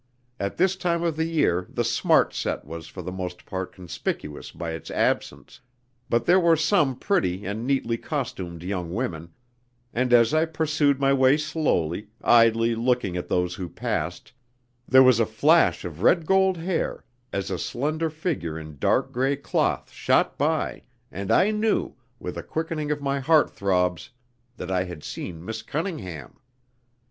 At this time of year the "smart set" was for the most part conspicuous by its absence, but there were some pretty and neatly costumed young women, and as I pursued my way slowly, idly looking at those who passed, there was a flash of red gold hair as a slender figure in dark grey cloth shot by, and I knew, with a quickening of my heart throbs, that I had seen Miss Cunningham.